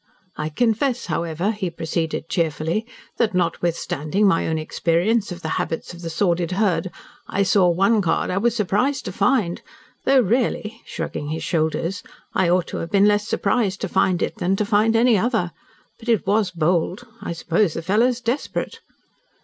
"I confess, however," he proceeded cheerfully, "that notwithstanding my own experience of the habits of the sordid herd, I saw one card I was surprised to find, though really" shrugging his shoulders "I ought to have been less surprised to find it than to find any other. But it was bold. I suppose the fellow is desperate."